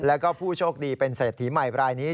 แล้วก็ผู้โชคดีเป็นเศรษฐีใหม่รายนี้